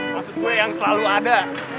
maksud gue yang selalu ada